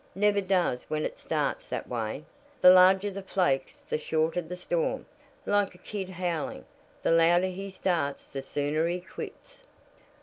"Never does when it starts that way. The larger the flakes the shorter the storm. Like a kid howling the louder he starts the sooner he quits."